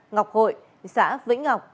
ngọc hội xã vĩnh ngọc